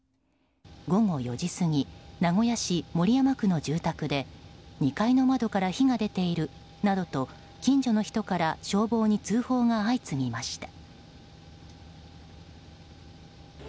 午後４時過ぎ名古屋市守山区の住宅で２階の窓から火が出ているなどと近所の人から消防に通報が相次ぎました。